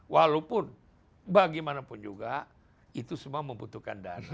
walaupun bagaimanapun juga itu semua membutuhkan dana